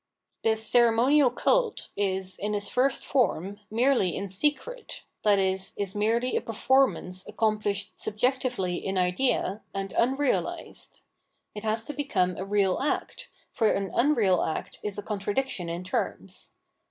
This ceremonial cult is, in its first form, merely in secret, i.e. is merely a performance accomphshed sub jectively in idea, and unrealised. It has to become a real act, for an unreal act is a contradiction in terms.